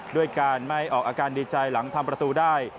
ด้วยการไม่ออกอาการดีใจหลังทำประตูได้